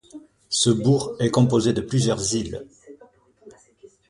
Ce bourg est composé de plusieurs îles.